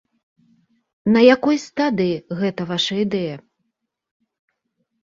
На якой стадыі гэта ваша ідэя?